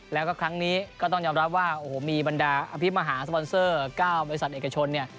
แล้วก็ครั้งนี้ก็ต้องยอมรับว่าโอ้โหมีบรรดาอภิมหาสปอนเซอร์๙บริษัทเอกชนเนี่ย